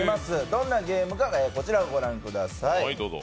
どんなゲームか、こちらをご覧ください。